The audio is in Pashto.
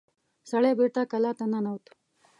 سړی بېرته کلا ته ننوت.